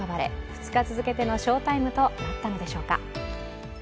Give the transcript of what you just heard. ２日続けての翔タイムとなったのでしょうか。